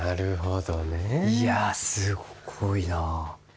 いやすごいな。